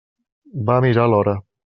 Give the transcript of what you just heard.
Va mirar l'hora.